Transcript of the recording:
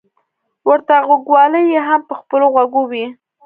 ورته غوږوالۍ يې هم په خپلو غوږو وې.